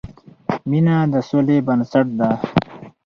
مینه د سولې بنسټ ده.